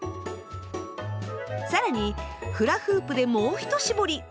更にフラフープでもう一絞り。